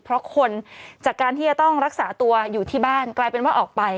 เพราะคนจากการที่จะต้องรักษาตัวอยู่ที่บ้านกลายเป็นว่าออกไป